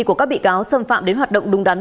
của các bị cáo xâm phạm đến hoạt động đúng đắn